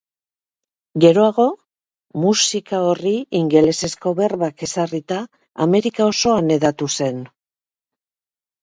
Geroago, musika horri ingelesezko berbak ezarrita Amerika osoan hedatu zen.